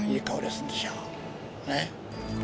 ねっ。